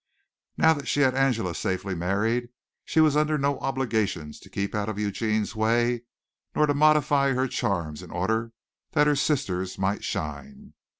Now that she had Angela safely married, she was under no obligations to keep out of Eugene's way nor to modify her charms in order that her sister's might shine.